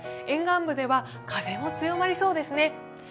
沿岸部では風も強まりそうですね。